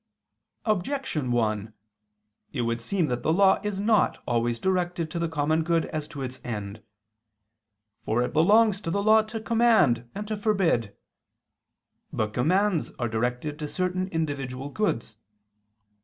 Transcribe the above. Objection 1: It would seem that the law is not always directed to the common good as to its end. For it belongs to law to command and to forbid. But commands are directed to certain individual goods.